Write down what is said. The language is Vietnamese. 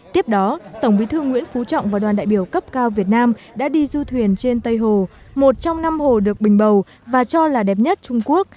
tiếp đó tổng bí thư nguyễn phú trọng và đoàn đại biểu cấp cao việt nam đã đi du thuyền trên tây hồ một trong năm hồ được bình bầu và cho là đẹp nhất trung quốc